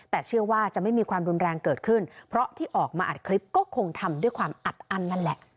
แต่เชื่อว่าจะไม่มีความรุนแรงเกิดขึ้นเพราะที่ออกมาอัดคลิปก็คงทำด้วยความอัดอั้นนั่นแหละ